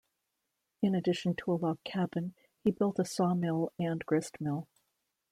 In addition to a log cabin, he built a sawmill and gristmill.